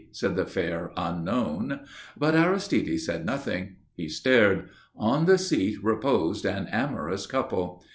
said the fair unknown. But Aristide said nothing. He stared. On the seat reposed an amorous couple.